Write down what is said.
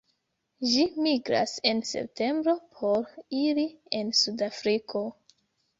Ĝi migras en septembro por iri en Sudafriko.